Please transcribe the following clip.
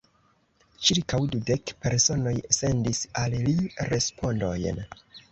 Ĉirkaŭ dudek personoj sendis al li respondojn.